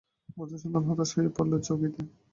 মধুসূদন হতাশ হয়ে বসে পড়ল চৌকিতে।